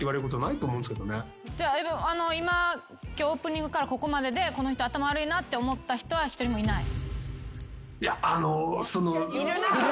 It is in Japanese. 今日オープニングからここまででこの人頭悪いなって思った人は一人もいない？